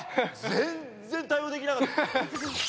全然対応できなかった。